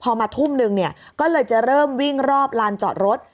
พอมาทุ่มนึงเนี่ยก็เลยจะเริ่มวิ่งรอบลานจอดรถ